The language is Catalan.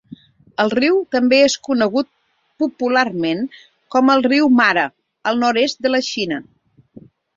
El riu també és conegut popularment com el "riu mare" al nord-est de la Xina.